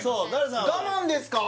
我慢ですか？